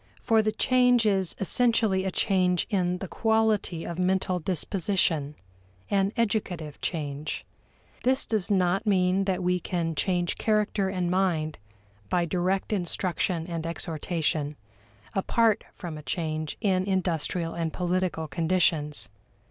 For the change is essentially a change in the quality of mental disposition an educative change. This does not mean that we can change character and mind by direct instruction and exhortation, apart from a change in industrial and political conditions.